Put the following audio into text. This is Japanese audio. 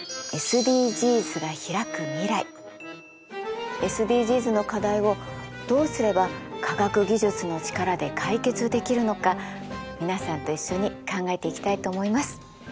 第１回のテーマはＳＤＧｓの課題をどうすれば科学技術の力で解決できるのか皆さんと一緒に考えていきたいと思います。